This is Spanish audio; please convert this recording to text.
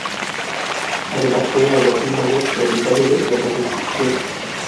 Además fue alguacil mayor propietario de la Santa Inquisición.